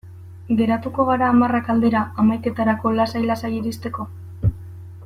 Geratuko gara hamarrak aldera, hamaiketarako lasai-lasai iristeko?